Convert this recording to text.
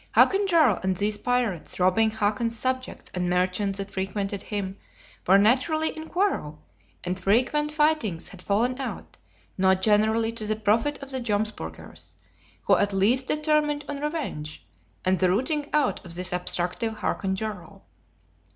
Hakon Jarl and these pirates, robbing Hakon's subjects and merchants that frequented him, were naturally in quarrel; and frequent fightings had fallen out, not generally to the profit of the Jomsburgers, who at last determined on revenge, and the rooting out of this obstructive Hakon Jarl.